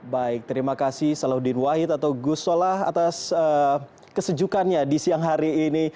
baik terima kasih salahuddin wahid atau gus solah atas kesejukannya di siang hari ini